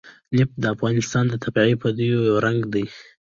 نفت د افغانستان د طبیعي پدیدو یو رنګ دی.